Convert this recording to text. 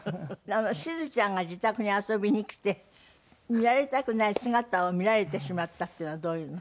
しずちゃんが自宅に遊びに来て見られたくない姿を見られてしまったっていうのはどういうの？